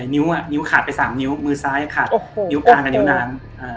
นิ้วขาดไปสามนิ้วมือซ้ายขาดนิ้วกลางกับนิ้วนาง